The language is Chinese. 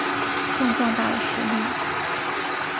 更壮大的实力